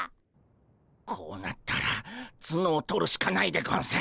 こうなったらツノを取るしかないでゴンス。